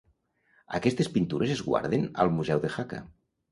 Aquestes pintures es guarden al Museu de Jaca.